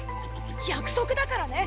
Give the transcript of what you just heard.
約束だからね